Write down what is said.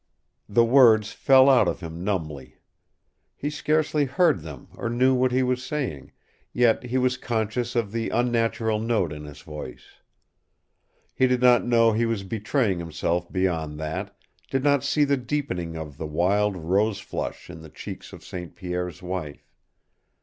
The words fell out of him numbly. He scarcely heard them or knew what he was saying, yet he was conscious of the unnatural note in his voice. He did not know he was betraying himself beyond that, did not see the deepening of the wild rose flush in the cheeks of St. Pierre's wife.